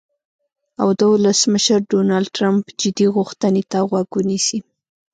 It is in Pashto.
او د ولسمشر ډونالډ ټرمپ "جدي غوښتنې" ته غوږ ونیسي.